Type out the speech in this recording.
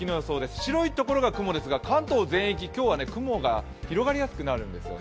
白い所が雲ですが、関東全域今日は雲が広がりやすくなるんです。